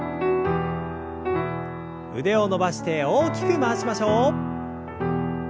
腕を伸ばして大きく回しましょう。